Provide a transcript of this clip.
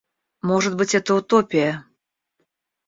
Может быть, это утопия.